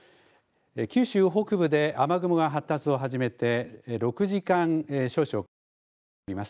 九州北部で雨雲が発達を始めて６時間少々たっております。